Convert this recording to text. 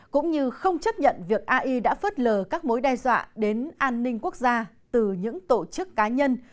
cũng như không chấp nhận việc ai đã phớt lờ các mối đe dọa đến an ninh quốc gia từ những tổ chức cá nhân